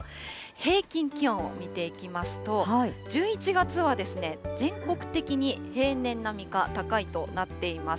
平均気温を見ていきますと、１１月はですね、全国的に平年並みか高いとなっています。